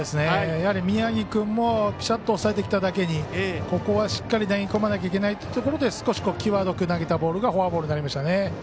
やはり宮城君もピシャッと抑えてきただけにここはしっかり投げ込まなきゃいけないということで少し際どく投げたボールがフォアボールになりましたね。